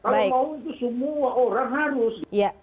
kalau mau itu semua orang harus